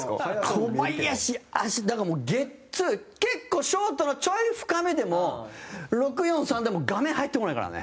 小林、足、だから、もうゲッツー、結構ショートのちょい深めでも、６・４・３でも画面、入ってこないからね。